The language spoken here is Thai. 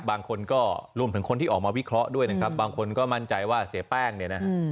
บางคนก็รวมถึงคนที่ออกมาวิเคราะห์ด้วยนะครับบางคนก็มั่นใจว่าเสียแป้งเนี่ยนะฮะ